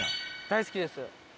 大好きです。